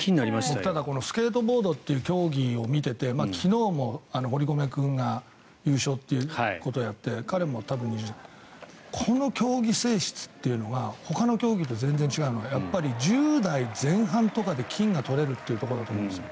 スケートボードの競技を見ていて昨日も堀米君が優勝してこの競技性質というのはほかの競技と全然違うのは１０代前半とかで金が取れるというところだと思うんです。